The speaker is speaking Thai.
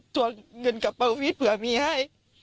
ตรวจเงินกับบังฟิศเผื่อมีให้